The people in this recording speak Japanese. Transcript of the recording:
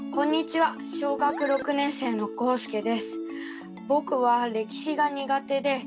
小学６年生のこうすけです。